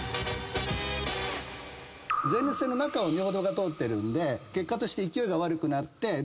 前立腺の中を尿道が通ってるんで結果として勢いが悪くなって。